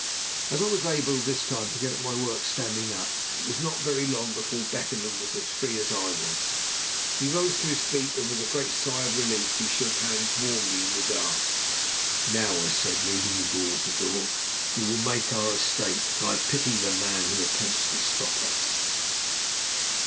As I was able this time to get at my work standing up, it was not very long before Beckenham was as free as I was. He rose to his feet with a great sigh of relief, and we shook hands warmly in the dark. "Now," I said, leading him towards the door, "we will make our escape, and I pity the man who attempts to stop us."